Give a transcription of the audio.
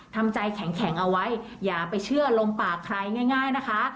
ทำใจแข็งเอาไว้อย่าไปเชื่อลมปากใครง่ายนะคะ